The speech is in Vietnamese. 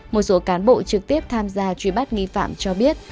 một số cán bộ trực tiếp tham gia truy bắt nghi phạm cho biết